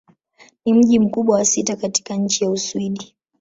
Ni mji mkubwa wa sita katika nchi wa Uswidi.